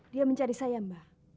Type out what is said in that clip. dia mencari saya mbah